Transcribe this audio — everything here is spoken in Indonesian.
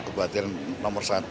aku perhatikan nomor satu